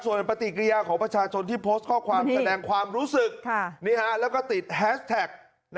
ส่วนปฏิกิริยาของประชาชนที่โพสต์ข้อความแสดงความรู้สึกแล้วก็ติดแฮสแท็ก